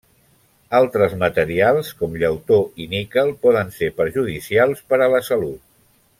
Altres materials, com llautó i níquel, poden ser perjudicials per a la salut.